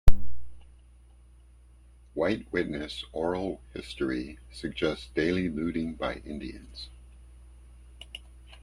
White witness oral history suggests daily looting by Indians.